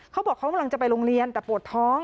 เขาบอกเขากำลังจะไปโรงเรียนแต่ปวดท้อง